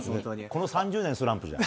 この３０年、スランプだよ。